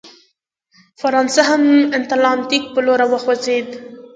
فرانسه هم اتلانتیک په لور راوخوځېده.